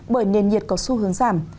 bởi nền nhiệt có xu hướng giảm